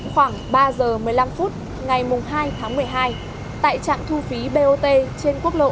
khoảng ba giờ một mươi năm phút ngày hai tháng một mươi hai tại trạng thu phí bot trên quốc lộ một mươi bảy b